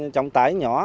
trọng tải nhỏ